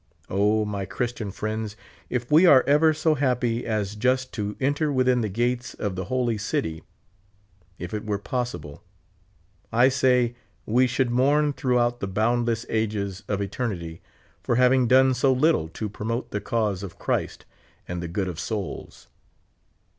O, my Christian friends, if we are ever so happy as just to enter within the gates of the holy city — if it were possible, T say — we should mourn throughout the boundless ages of eternity, for having done so little to promote the cause of Christ and the good of souls.